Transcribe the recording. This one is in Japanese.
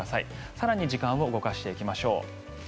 更に時間を動かしていきましょう。